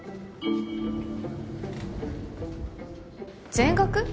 全額？